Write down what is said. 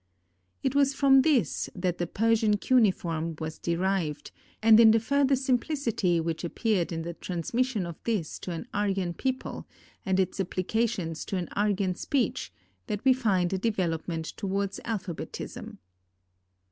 It was from this that the Persian cuneiform was derived, and in the further simplicity which appeared in the transmission of this to an Aryan people, and its applications to an Aryan speech, that we find a development towards alphabetism.